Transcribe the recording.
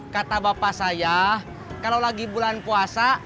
kata bapak saya kalau lagi bulan puasa